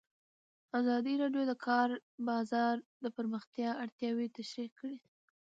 ازادي راډیو د د کار بازار د پراختیا اړتیاوې تشریح کړي.